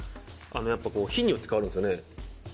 あのやっぱこう日によって変わるんですよね。